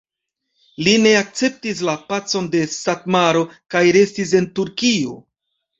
Li ne akceptis la pacon de Satmaro kaj restis en Turkio.